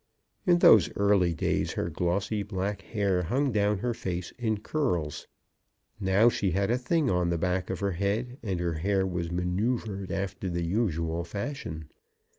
In those early days her glossy black hair hung down her face in curls. Now, she had a thing on the back of her head, and her hair was manoeuvred after the usual fashion.